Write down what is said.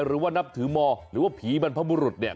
หรือว่านับถือมหรือว่าผีบรรพบุรุษเนี่ย